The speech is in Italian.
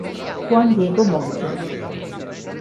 Juan Diego Monge